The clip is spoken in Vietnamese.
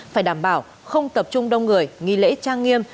phải đảm bảo không tập trung đông người nghi lễ trang nghiêm